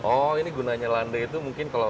oh ini gunanya landai itu mungkin kalau